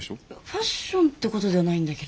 ファッションってことではないんだけど。